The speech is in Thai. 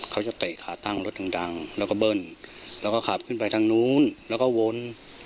เตะขาตั้งรถดังแล้วก็เบิ้ลแล้วก็ขับขึ้นไปทางนู้นแล้วก็วน